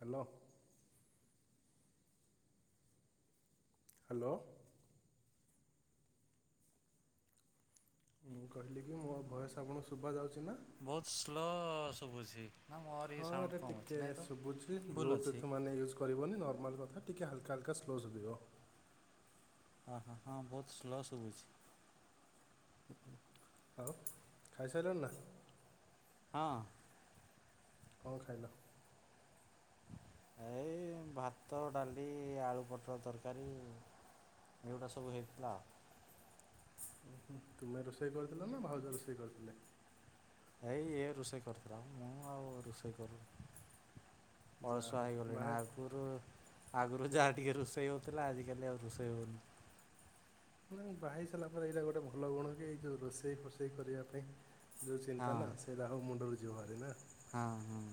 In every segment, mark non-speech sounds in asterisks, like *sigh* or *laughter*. Hello. Hello. ମୁଁ କହିଲି। ମୋ ବୟସ ଆପଣଙ୍କୁ ଶୁଭା ଯାଉଛି ନା। ସୁଭୁଛି। ହଁ ଏଟା ଟିକେ ଶୁଭୁଛି ଫୁଲ୍ ଅଛି ବ୍ଲୁଟୁଥ୍ ମାନେ ୟୁଜ୍ କରିବନି ନର୍ମାଲ। ଟିକେ ହଲକା ହଲକା ସ୍ଲୋ ଶୁଭିବ। ହ ହଁ ବହୁତ ସ୍ଲୋ ଶୁଭୁଛି। ଆଉ ଖାଇସାରିଲଣି ନା? ହଁ। କଣ ଖାଇଲ? ଏଇ ଭାତ ଡାଲି ଆଳୁ ପଟୋଳ ତରକାରୀ ଏଗୁଡ଼ା ସବୁ ହେଇଥିଲା। ତୁମେ ରୋଷେଇ କରିଥିଲ ନା ଭାଉଜ ରୋଷେଇ କରିଥିଲେ? ଏଇ ଇଏ ରୋଷେଇ କରୁଥିଲା ଆଉ ମୁଁ ଆଉ ରୋଷେଇ କରୁନି। ଯାହା ଅଳସୁଆ ହଉ ହେଇଗଲଲିଣି ବାହା ଆଗୁରୁ ଆଗରୁ ଯାହା ଟିକେ ରୋଷେଇ ହଉଥିଲା ଆଜିିକାଲି ଆଉ ରୋଷେଇ ହଉନି। ନା ବାହା ସାରିଲା ପରେ ଏଇଟା ଗୋଟେ ଭଲ ଗୁଣ କି ଏଇ ଯୋଉ ରୋଷେଇ ଫୋଷେଇ କରିବା ପାଇଁ ଯୋଉ ଚିନ୍ତା ହଁ ନା ସେଇ ରାହୁ ମୁଣ୍ଡରୁ *unintelligible* ନା ହଁ ହଁ।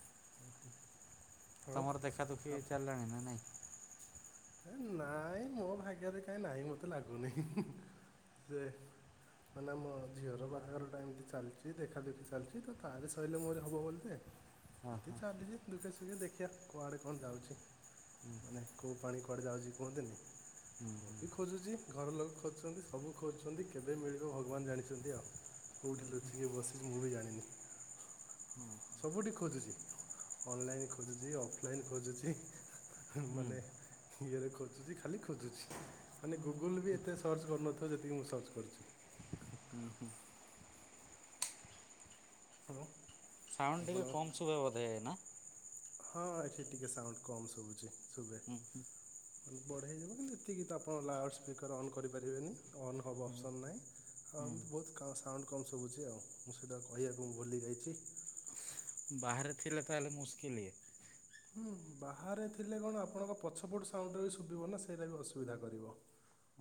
*unintelligible* ତମର ଦେଖା ଦୁଃଖି ଆପ୍ ଚାଲିଲାଣି ନା ନାଇଁ। ନାଇଁ ମୋ ଭାଗ୍ୟରେ କାହିଁ ନାହିଁ ମତେ ଲାଗୁନି ସେ ମାନେ ମୋ ଝିଅର ବାହାଘର ଟା ଏମିତି ଚାଲିଛି ଦେଖାଦୁଖି ଚାଲିଛି ତ ତାର ସରିଲେ ମୋରି ହବ ବୋଧେ। ହଁ ଏମିତି ହଁ ଚାଲିଛି ଦୁଃଖେ ସୁଖେ ଦେଖ ଦେଖିଆ କୁଆଡେ କଣ ଯାଉଛି। ହୁଁ ମାନେ କ କଆଡେ ଯାଉଛି କୁହନ୍ତିନି। ହୁଁ ମୁଁ ହୁଁ ବି ଖୋଜୁଛି ଘର ଲୋକ ଖୋଜୁଛନ୍ତି ସବୁ ଖୋଜୁଛନ୍ତି କେବେ ମିଳିବ ଭଗବାନ ଜାଣିଛନ୍ତି ଆଉ। କୋଉଠି ଲୁଚିକି ବସିଛି ମୁଁ ବି ଜାଣିନି। ସବୁଠି ଖୋଜୁଛି ଅନଲାଇନ ଖୋଜୁଛି ଅଫଲାଇନ ଖୋଜୁଛି। ହୁଁ ମାନେ ଇଏରେଖ ଖାଲି ଖୋଜୁଛି ମାନେ ଗୁଗୁଲ ବି ଏତେ ସର୍ଚ୍ଚ କରୁନଥିବ ତ ଯେତିକି ମୁଁ ସର୍ଚ୍ଚ କରୁଛି। ହୁଁ ହୁଁ ହ୍ୟାଲୋ। ସାଉଣ୍ଡ ଟିକେ କମ ସୁୁବେ ବୋଧେ ନା। ହଁ ଏଠି ଟିକେ ସାଉଣ୍ଡ କମ୍ ଶୁଭୁଛି। ଶୁଭେ ହୁଁ ହୁଁ। ମାନେ ବଢଢେଇ ହେଇଯିବ କିନ୍ତୁ ଏତିକି ତ ଆପଣ ଲାଉଡ଼୍ ସ୍ପିକର୍ ଅନ୍ କରିପାରିବେନି ଅନ୍ ହେବା ହୁଁ ଅପସନ୍ ନାହିଁ ଆଉ ହୁଁ। ଏମିତି ବହୁତ ସାଉଣ୍ଡ କମ୍ ଶୁଭୁଛି ଆଉ ମୁଁ ସେଇଟା କହିବାକୁ ମୁଁ ଭୁଲି ଯାଇଛି। ବାହାରେ ଥିଲେ ତାହେଲେ ମୁସ୍କିଲ ଏ- ହୁଁ ବାହାରେ ଥିଲେ କଣ ଆପଣଙ୍କ ପଛପଟୁ ସାଉଣ୍ଡ ବି ଶୁଭିବ ନା ସେଇଟା ବି ଅସୁବିଧା କରିବ।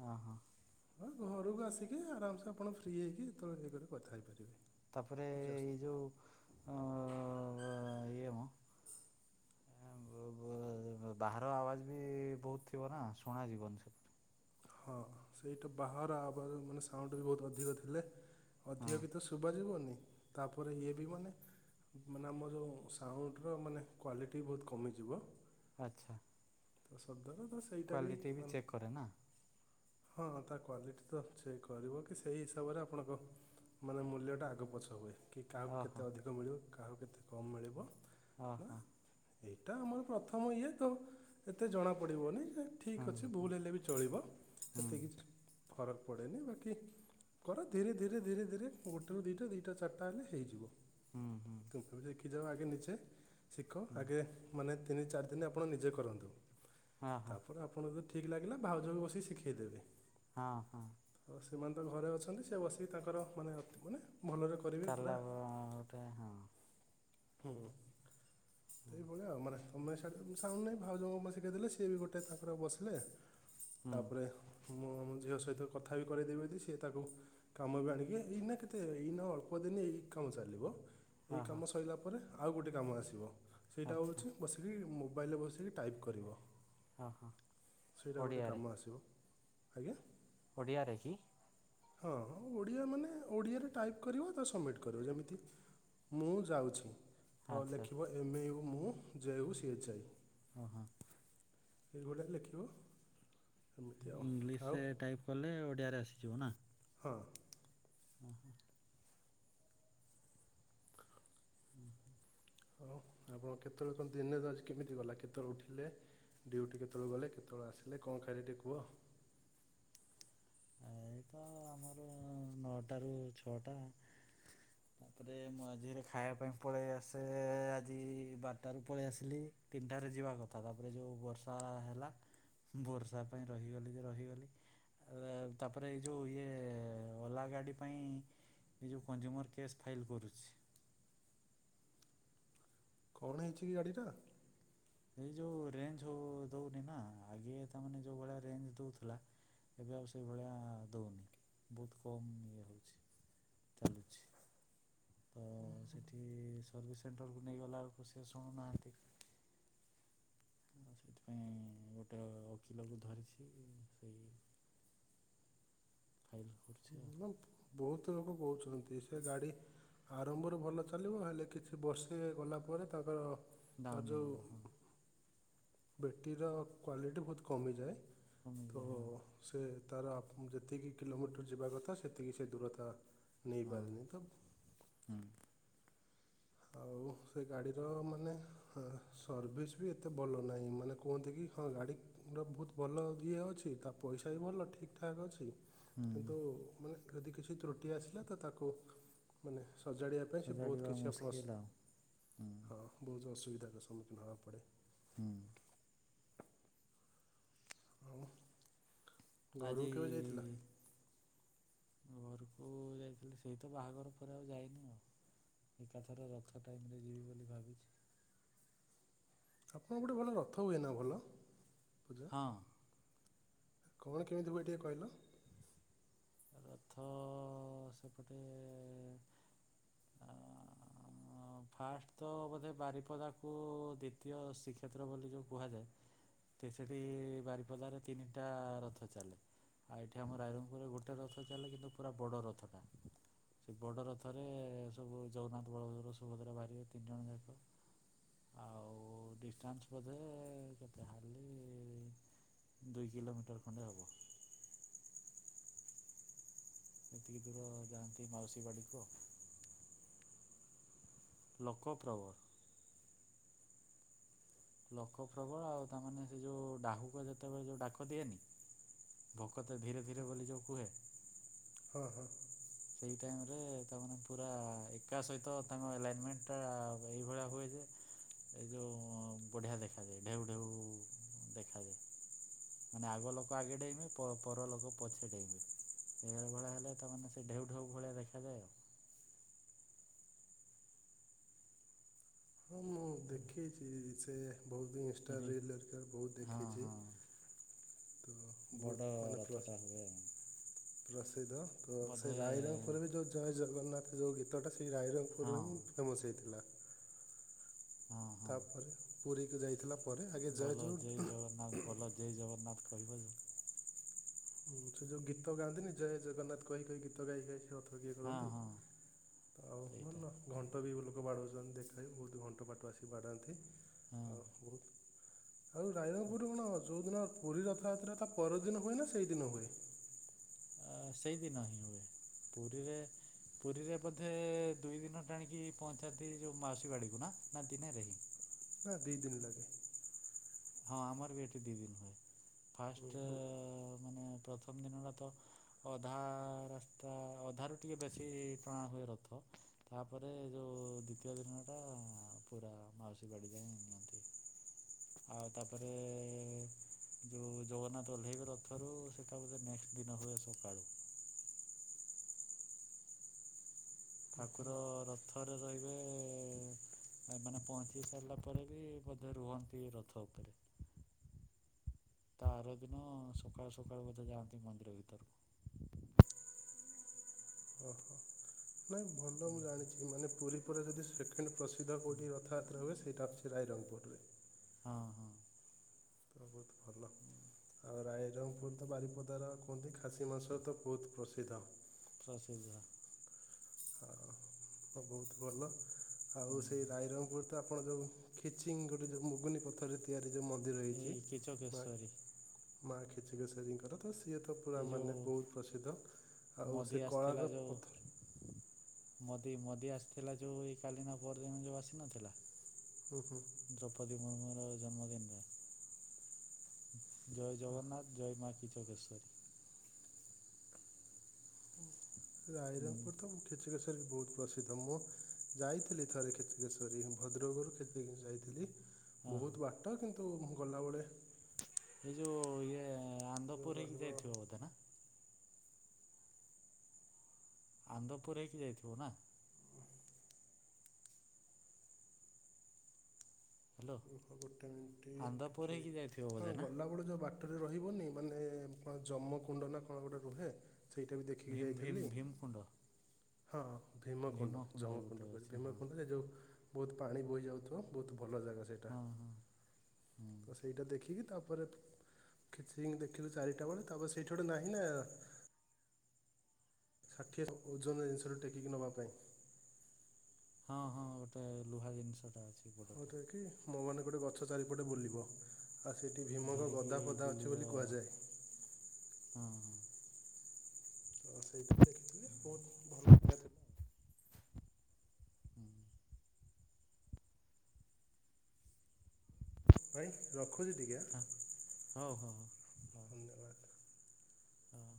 ଓ ହୋ। ହଁ ଘରକୁ ଆସିକି ଆରାମସେ ଆପଣ ଫ୍ରି ହେଇକି ଯେତେବେଳେ ଇଏ କରି କଥା ହେଇପାରିବେ। ତାପରେ କିଛି ଏଇ ଅସୁ ଯୋଉ ଅ ଇଏ ମୁ ବାହାର ଆବାଜ ବି ବହୁତ ଥିବ ନା ଶୁଣା ଯିବନି ସେ ହଁ ସେଇଟା ବାହାର ଆ ମାନେ ସାଉଣ୍ଡ ବି ବହୁତ ଅଧିକ ଥିଲେ ଅଧିକ ହଁ ଗୀତ ଶୁଭା ଯିବନି? ତାପରେ ଇଏ ବି ମାନେ ମାନେ ଆମର ଯୋଉ ସାଉଣ୍ଡର ମାନେ କ୍ଵାଲିଟି ବହୁତ କମିଯିବ। ଆଚ୍ଛା। ସତ ନା। କ୍ଵାଲିଟି ବି ଚେକ୍ କରେ ନା। ହଁ ତା କ୍ୱାଲିଟି ତ ଚେକ୍ କରିବ କି ସେଇ ହିସାବରେ ଆପଣଙ୍କ ମାନେ ମୂଲ୍ୟ ଟା ଆଗ ପଛ ହୁଏ। କି କାହାକୁ ଓହୋ କେତେ ଅଧିକ ମିଳିବ କାହାକୁ କେତେ କମ୍ ମିଳିବ? ଓ ନା ହୋ। ଏଇଟା ଆମର ପ୍ରଥମ ଇଏ ତ ଏତେ ଜଣାପଡ଼ିବନି। ଠିକ୍ ହୁଁ ଅଛି ହୁଁ ଭୁଲ ହେଲେ ବି ଚଳିବ। ଏତେ ହୁଁ। କିଛି ଫରକ ପଡ଼େନି ବାକି କର ଧୀରେ ଧୀରେ ଧୀରେ ଧୀରେ ଗୋଟେରୁ ଦିଇଟା ଦୁଇଟା ଚାରିଟା ହେଲେ ହେଇଯିବ। ହୁଁ ହୁଁ ତମକୁ ବି ଦେଖି କି ଯାଅ ଆଗେ ନିଜେ ଶିଖ ହୁଁ ଆଗେ ମାନେ ତିନି ଚାରି ଦିନ ଆପଣ ନିଜେ କରନ୍ତୁ। ହଁ ହଁ ତାପରେ ଆପଣ ଯ ଠିକ ଲାଗିଲା ଭାଉଜଙ୍କୁ ବସେଇକି ଶିଖେଇ ଖେଇଦେବେ। ହଁ ହଁ। ସେମାନେ ତ ଘରେ ଅଛନ୍ତି ସେ ବସିକି ତାଙ୍କର ମାନେ ଅ ମାନେ ଭଲରେ କରିବେ ପୁରା ତାହେଲେ ଗୋଟେ ହଁ। ହୁଁ। ସେଇ ଭଳିଆ ଆଉ ମାନେ ତମେ ଶାଉଣ୍ଡ ନାହିଁ ଭାଉଜଙ୍କୁ ଶିଖାଇଦେଲେ ସିଏ ବି ଗୋଟେ ତାଙ୍କର ବସିଲେ ହୁଁ ତାପରେ ମୁଁ ଆମ ଝିଅ ସହିତ କଥା ବି କରେଇଦେବିି ଯଦି ସିଏ ତାକୁ କାମ ବି ଆଣିକି ଏଇନା କେତେ ଏଇନା ଅଳ୍ପ ଦିନ ଏଇ କାମ ଚାଲିବ। ଏଇ ହଁ କାମ ହଁ ସ ତାପରେ ଆଉ ଗୋଟେ କାମ ଆସିବ। ସେଇଟା ଆଚ୍ଛା ହଉଛି ବସିକି ମୋ ମୋବାଇଲରେ ବସିକି ଟାଇପ୍ କରିବ। ଓ ହୋ ସେଇଟା ଗୋଟେ କାମ ଓଡ଼ିଆରେ। ଆସିବ ଆଜ୍ଞା। ଓଡ଼ିଆରେ କି? ହଁଁ ଓଡ଼ିଆ ମାନେ ଓଡ଼ିଆରେ ଟାଇପ୍ କରିବ ତ ସବମିଟ୍ କରିବ ଯେମିତି, ମୁଁ ଯାଉଛି। ତ ଆଚ୍ଛା ଲେଖିବ ଏମ ୟୁ ମୁଁ ଯେ ୟୁ ସି ଏଚ ଆଇ। ଓହୋ। *unintelligible* ଏଗୁଡା ଲେଖିବ। ଏମିତି ଆଉ ଆଉ ଇଂଲିଶରେ ଟାଇପ କଲେ ଓଡିଆରେ ଆସେ। ଯିବୁ ନା ହଁ। *inaudible* *inaudible* ଆଉ କେତୋବେଳେ ଆପଣ ଦିନରେ ଆଜି କେମିତି ଗଲା କେତୋବେଳେ ଉଠିଲେ ଡ଼ିଉଟି କେତୋବେଳେ ଗଲେ କେତୋବେଳେ ଆସିଲେ କଣ ଖାଇଲେ ଟିକେ କୁହ ଏଇ ତ ଆମର ନଅଟା ରୁ ଛଅଟା ତାପରେ ମୁଁ ମଝିରେ ଖାଇବା ପାଇଁ ପଳେଇ ଆସେ ଆଜି ବାରଟା ରୁ ପଳେଇ ଆସିଲି ତିନିଟାରେ ଯିବା କଥା ତାପରେ ଯୋଉ ବର୍ଷା ହେଲା ବର୍ଷା ପାଇଁ ରହିଗଲି ଯେ ରହିଗଲି। ତାପରେ ଏଇ ଯୋଉ ଇଏ ଓଲା ଗାଡି ପାଇଁ ଏ ଯୋଉ କଂଜୁମର କେସ୍ ଫାଇଲ କରୁଛି। କଣ ହେଇଛି କି ଗାଡ଼ିଟା? ଏଇ ଯେଉ ରେଞ୍ଜ ହୋଉ ଦଉନି ନା ଆଗେ ତାମାନେ ଯେଉଁ ଭଳିଆ ରେଞ୍ଜ ଦଉଥିଲା ଏବେ ଆଉ ସେଇ ଭଳିଆ ଦଉନି ବହୁତ କମ୍ ଇଏ ହଉଛି ଚାଲୁଛି ତ ସେଇଠି ସର୍ଭିସ୍ ସେଣ୍ଟରକୁ ନେଇଗଲା ବଳକୁ ସେଏ ଶୁଣୁନାହାନ୍ତି। ଆଉ ସେଥିପାଇଁ ଗୋଟେ ଓକିଲକୁ ଧରିଛି ସେଇ ଫାଇଲ କରୁ ଏବଂ ବହୁତ ଲୋକ କହୁଛନ୍ତି ସେ ଗାଡ଼ି ଆରମ୍ଭରୁ ଭଲ ଚାଲିବ ହେଲେ କିଛି ବର୍ଷେ ଗଲା ପରେ ତାଙ୍କର ଡାଉନ ହୋଇଯିବ ହଁ। ବ୍ୟାଟରୀ ର କ୍ଵାଲିଟି ବହୁତ କମିଯାଏ। ତ କମିଯାଏ ହଁ ସେ ତାର ଯେତିକି କିଲୋମିଟର ଯିବା କଥା ସେତିକି ସେ ଦୂରତା ହଁ ନେଇପାରିନି ତ ହୁଁ ଆଉ ସେ ଗାଡ଼ିର ମାନେ ସର୍ଭିସ୍ ବି ଏତେ ଭଲ ନାହିଁ ମାନେ କୁହନ୍ତି କି ହଁ ଗାଡ଼ିର ବହୁତ ଭଲ ଇଏ ଅଛି ତା ପଇସା ବି ଭଲ ଠିକ୍ ଠାକ୍ ଅଛି। ହୁଁ କିନ୍ତୁ ମାନେ ଯଦି କିଛି ତ୍ରୁଟି ଆସିଲା ତ ତାକୁ ମାନେ ସଜାଡ଼ିବା ପାଇଁ ସେ ବହୁତ କିଛି ହଁ ହୁଁ। ଅସୁବିଧା ର ସମ୍ମୁଖୀନ ହେବାକୁ ପଡ଼େ। ହୁଁ। ଆଜି ଘରୁକୁ କେବେ ଯାଇଥିଲା? ଘରକୁ ଯାଇଥିଲି ସେଇ ତ ବାହାଘର ପରେ ଆଉ ଯାଇନି ଆଉ ଏକାଥରେ ରଥ ଟାଇମରେ ଯିବି ବୋଲି ଭାବିଛି। ଆପଣଙ୍କ କୋଉଠି ଭଲ ରଥ ହୁଏ ନା ଭଲ? ପୂଜା ହଁ। କଣ କେମିତି ହୁଏ ଟିକି କହିଲ? ରଥ ସେପଟେ ଫାଷ୍ଟ ତ ବୋଧେ ବାରିପଦା କୁ ଦ୍ଵିତୀୟ ଶ୍ରୀକ୍ଷେତ୍ର ବୋଲି ଯୋଉ କୁହାଯାଏ ସେଠି ବାରିପଦାରେ ତିନିଟା ରଥ ଚାଲେ ଆଉ ଏଇଠି ଆମ ରାଇରଙ୍ଗପୁରରେ ଗୋଟେ। ଗୋଟେ ରଥ ଚାଲେ କିନ୍ତୁ ପୁରା ବଡ଼ ରଥଟା ସେ ବଡ଼ ରଥରେ ସବୁ ଜଗନ୍ନାଥ, ବଳଦ, ସୁଭଦ୍ରା ବାହାରିବେ ତିନି ଜଣ ଯାକ ଆଉ ଡିଷ୍ଟାନ୍ସ ବୋଧେ କେତେ ହାଲି ଦୁଇ କିଲୋମିଟର ଖଣ୍ଡେ ହବ। ଏତିକି ଦୂର ଯାଆନ୍ତି ମାଉସୀ ବାଡ଼ିକୁ ଲୋକପ୍ରବର ଲୋକ ପ୍ରବଳ ଆଉ ତାମାନେ ସେ ଯୋଉ ଡାହୁକ ଯେତେବେଳେ ଯୋଉ ଡାକ ଦିଏନି ଭୋକତ ଧୀରେ ଧୀରେ ବୋଲି ଯୋଉ କୁହେ ହଁ ହଁ। ସେଇ ଟାଇମରେ ତାମାନେ ପୁରା ଏକା ସହିତ ତାଙ୍କ ଏଲାଇନମେଣ୍ଟଟା ଏଇଭଳିଆ ହୁଏ ଯେ ଏ ଯୋଉ ବଢିଆ ଦେଖାଯାଏ ଢେଉ ଢେଉ ଦେଖାଯାଏ ମାନେ ଆଗ ଲୋକ ଆଗେ ଡେଇଁବେ ପରଲୋକ ପଛେ ଡେଇଁବେ ସେଇଭଳିଆ ହେଲେ ତାମାନେ। ସେ ଢେଉ ଢେଉ ଭଳିଆ ଦେଖାଯାଏ ଆଉ। ହଁ ମୁଁ ଆଉ। ଦେଖେଇଛି ସେ ବହୁତ ବି ଇନଷ୍ଟା ରି ରିଲ ଘରିକା ବହୁତ ହଁ ଦେଖିଛି ହଁ ତ ବଡ଼ ବହୁତ ମାନେ ପ୍ର ରଥଟା ହୁଏ ଆଉ। ରସ୍, ସେଇ ତ ତ ସେଇ ବୋଧେ ରାଇରଙ୍ଗପୁରେ ବି ଯୋଉ ଜୟ ଜଗନ୍ନାଥ ଯୋଉ ଗୀତଟା, ସେ ହଁ ରାଇରଙ୍ଗପୁରରେ ହିଁ ଫେମସ୍ ହେଇଥିଲା। ତାପରେ ପୁରୀକୁ ଯାଇ ବୋଲୋ ଜୟ ଜଗନ୍ନାଥ ବୋଲୋ ଜୟ ଜଗନ୍ନାଥ। କହିବ *inaudible* ହୁଁ ସେ ଯୋଉ ଗୀତ ଗାଆନ୍ତିନି ଜୟ ଜଗନ୍ନାଥ କହି କହି ଗୀତ ଗାଇ ଗାଇ କିଏ ହଁ କରନ୍ତି ହଁ ଆଉ ସେଇଟା। ଭଲ ଘଣ୍ଟ ବି ଲୋକ ବାଡ଼ଉଛନ୍ତି। ଦେଖା ବହୁତ ଘଣ୍ଟପାଟୁଆ ଆସି ବାଢ଼ାନ୍ତି। ହ ବହୁତ *inaudible* ଆଉ ରାଇରଙ୍ଗପୁରରୁ କଣ ହ ଯୋଉ ଦିନ ପୁରୀ ରଥଯାତ୍ରା ତାପର ଦିନ ହୁଏନା ସେ ସେଇ ଦିନ ହୁଏ। ସେଇଦିନ ହିଁ ପୁରୀରେ ପୁରୀରେ ବୋଧେ ଦୁଇ ଦିନ ଟାଣିକି ପହଞ୍ଚାନ୍ତି ଯୋଉ ମାଉସୀ ବାଡ଼ିକୁ ନା, ନା ଦିନେରେ। ନା ଦି ଦିନ ଲାଗେ *inaudible* ହଁ ଆମର ବି ଏଠି ଦି ଦିନ। ହୁଁ, ଫାଷ୍ଟ ଗୋ- ଏ, ମାନେ ପ୍ରଥମ ଦିନ ଟା ତ ଅଧା ରାସ୍ତା ଅଧା ରୁ ଟିକେ ବେଶୀ ଟଣା ହୁଏ ରଥ ତାପରେ ଯୋଉ ଦ୍ଵିତୀୟ ଦିନ ଟା ପୁରା ମାଉସୀ ବାଡି ଯାଏ ନିଅନ୍ତି। ଆଉ ତାପରେ ଯୋଉ ଜଗନ୍ନାଥ ଓହ୍ଲେଇବେ ରଥରୁ ସେଟା ବୋଧେ ନେକ୍ସଟ ଦିନ ହୁଏ ସକାଳୁ। ଠାକୁର ରଥରେ ରହିବେ ମାନେ ପହଞ୍ଚି ସାରିଲା ପରେ ବି ମଧ୍ୟ ରୁହନ୍ତି ରଥ ଉପରେ ତା ଆର ଦିନ ସକାଳୁ ସକାଳୁ ବୋଧେ ଯାଆନ୍ତି ମନ୍ଦିର ଭିତରକୁ। ଓହୋ ନାଇଁ ଭଲ ମୁଁ ଜାଣିଛି ମାନେ ପୁରୀ ପରେ ଯଦି ସେକେଣ୍ଡ ପ୍ରସିଦ୍ଧ କୋଉଠି ରଥଯାତ୍ରା ହୁଏ ସେଇଟା ହୋଉଛି ରାଇରଙ୍ଗପୁରରେ ହଁ ହଁ ତ ବହୁତ ଭଲ। ଆଉ ରାଇରଙ୍ଗପୁର ତ ବାରିପଦାର କୁହନ୍ତି ଖାସି ମାଂସ ତ ବହୁତ ପ୍ରସିଦ୍ଧ। *inaudible* ତ ବହୁତ ଭଲ। ଆଉ ସେଇ ହୁଁ ରାଇରଙ୍ଗପୁର ତ ଆପଣ ଯୋଉ ଖିଚିଙ୍ଗ ଗୋଟେ ଯୋଉ ମୁଗୁନି ପଥରେ ତିଆରି। ମନ୍ଦିର ହେଇଚି, ଏଇ କିଚକେଶ୍ୱରୀ ମାଆ ଖେଚିକେଶରି ଙ୍କର ତ ସେ, ଏ ତ ପୁରା ଏଇ ଯୋଉ ମାନେ ବହୁତ ପ୍ରସିଦ୍ଧ ଆଉ ମୋଦି ସେ ଆସିଥିଲା କଳାର ଯୋଉ ପଥର ମୋଦି ମୋଦି ଆସିଥିଲା ଯୋଉ ଏଇ କାଲିନା ପର ଦିନ ଯୋଉ ଆସିନଥିଲା। ହୁଁ ହୁଁ ଦ୍ରୌପଦୀ ମୁର୍ମୁ, ଜନ୍ମଦିନରେ ଜୟ ଜଗନ୍ନାଥ ଜୟ ମା କି ଚୋଗେଶ୍ଵରୀ, ହୁଁ ରାଇରଙ୍ଗପୁର ପୁର ତ କିଚେକେଶ୍ବରୀ ବହୁତ ପ୍ରସିଦ୍ଧ ମୁଁ ଯାଇଥିଲି ଥରେକେଶଵରୀ ଭଦ୍ରକରୁ ଯାଇଥିଲି। ହଁ ବହୁତ ବାଟ କିନ୍ତୁ, ତ ଗଲାବେଳେ ଜୋ ଇଏ ଯେଉଁ ଆନ୍ଦପୁର ହେଇକି ରହିବ ଯାଇଥିବ ବୋଧେ ନା? ଆନ୍ଦପୁର ହେଇକି ଯାଇଥିବ ନା? ହ୍ୟାଲୋ। ଗୋଟେ ମିନିଟ ଆନ୍ଦପୁର କିଛି ହେଇକି ଯାଇଥିବ ହଁ ବୋଧେ ନା ଗଲାବେେଳ ଯୋଉ ବା ବାଟରେ ରହିବନି ମାନେ କଣ ଜମ କୁଣ୍ଡ ନା କଣ ଗୋଟେ ରୁହେ। ସେଇଟା ବି ଦେଖିକି ଭୀମ ଭୀମ ଯାଇଥିଲି। ଭୀମ କୁଣ୍ଡ ହଁ। ଭୀମକୁଣ୍ଡ ଭୀମକୁୁଣ୍ଡ ଗୋଟେ ଜମକୁଣ୍ଡ କୁ ଅଛି ହଁ ଭୀମକୁଣ୍ଡ ଏ ଯେଉଁ ବହୁତ ପାଣି ବୋହି ଯାଉଥିବ ବହୁତ ଭଲ ଜାଗା ସେଇଟା ହଁ ହଁ ହୁଁ ତ ସେଇଟା ଦେଖିକି ତାପରେ ଖିଚିଙ୍ଗ ଦେଖିଲୁ ଚାରିଟା ବେଳେ ତାପରେ ସେଇଠି ଗୋଟେ ନାହିଁ ନା ସାଠିଏ ଓଜନ ଜିନିଷଠ ଟେକିକି ନେବା ପାଇଁ ହଁ ହଁ ଗୋଟେ ଲୁହା ଜିନିଷ ଟା ଅଛି। ବଡ଼ଟା। *unintelligible* ମୋ ମାନ ଗୋଟେ ଗଛ ଚାରିପଟେ ବୁଲିବ। ଆଉ ସେଇଠି ଭୀମଙ୍କ ଧରିକି ଗଦା ପଦା ଅଛି ବୁଲିବ ବୋଲି କୁହାଯାଏ। ହଁ ହଁ ହ ସେଇଠି ଦେଖିଥିଲି ବହୁତ ଭଲ। *inaudible* ଭାଇ ରଖ ହ ହଉ ହଉ ହଉ ହଉ। ଧନ୍ୟବାଦ ହଉ